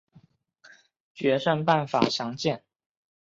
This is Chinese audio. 决胜办法详见。